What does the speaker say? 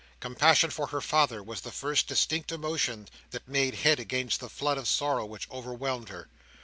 Compassion for her father was the first distinct emotion that made head against the flood of sorrow which overwhelmed her.